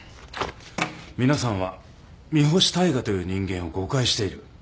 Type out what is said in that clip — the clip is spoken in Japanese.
皆さんは三星大海という人間を誤解している。